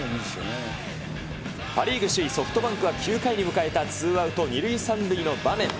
パ・リーグ首位ソフトバンクは９回に迎えたツーアウト２塁３塁の場面。